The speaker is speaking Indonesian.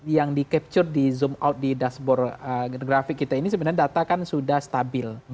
yang di capture di zoom out di dashboard grafik kita ini sebenarnya data kan sudah stabil